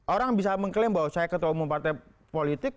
orang bisa mengklaim bahwa saya ketua umum partai politik